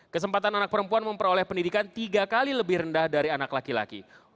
kesempatan anak perempuan memperoleh pendidikan tiga kali lebih rendah dari anak yang berusia lima belas tahun